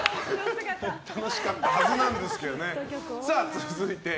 楽しかったはずなんですけどね。